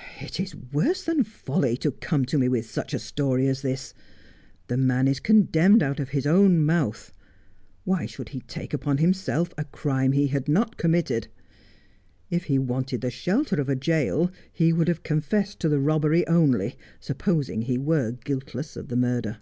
' It is worse than folly to come to me with such a story as this. The man is condemned out of his own mouth. Why should he take upon himself a crime he had not committed 1 If he wanted the shelter of a jail he would have confessed to the robbery only — supposing he were guiltless of the murder.'